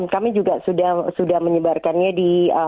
kami juga sudah menyebarkannya di